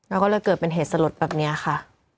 แล้วก็เลยเกิดเป็นเหตุสลดแบบนี้ค่ะ